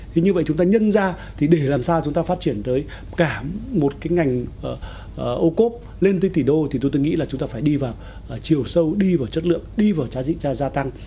thì như vậy chúng ta nhân ra thì để làm sao chúng ta phát triển tới cả một cái ngành ô cốp lên tới tỷ đô thì tôi nghĩ là chúng ta phải đi vào chiều sâu đi vào chất lượng đi vào giá trị gia tăng